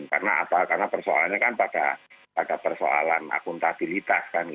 karena apa karena persoalannya kan pada persoalan akuntabilitas